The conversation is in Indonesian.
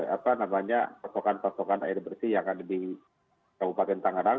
apa namanya pasokan pasokan air bersih yang ada di kabupaten tangerang